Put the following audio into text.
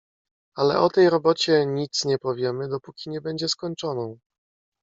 "Ale o tej robocie nic nie powiemy, dopóki nie będzie skończoną."